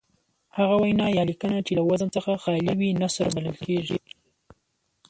هغه وینا یا لیکنه چې له وزن څخه خالي وي نثر بلل کیږي.